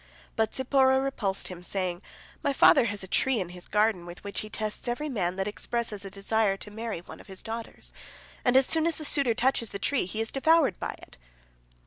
But Zipporah repulsed him, saying, "My father has a tree in his garden with which he tests every man that expresses a desire to marry one of his daughters, and as soon as the suitor touches the tree, he is devoured by it."